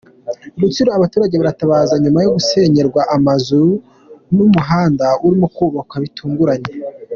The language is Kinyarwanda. Rutsiro:Abaturage baratabaza nyuma yo gusenyerwa amazu n’umuhanda urimo kubakwa bitunguranye.